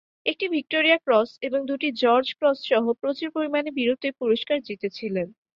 একটি Victoria Cross এবং দুটি জর্জ ক্রস সহ প্রচুর পরিমাণে বীরত্বের পুরস্কার জিতেছিল।